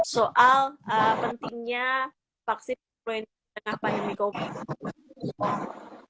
soal pentingnya vaksin influenza dengan pandemi covid sembilan belas